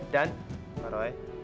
dan pak roy